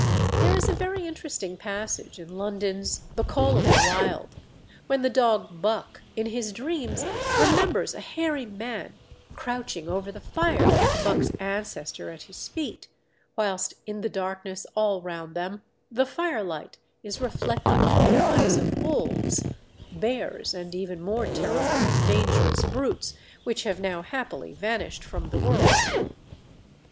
There is a very interesting passage in London's The Call of the Wild, when the Dog "Buck" in his dreams remembers a hairy man crouching over the fire with Buck's ancestor at his feet, whilst in the darkness all round them the firelight is reflected from eyes of wolves, bears, and even more terrible and dangerous brutes which have now happily vanished from the world.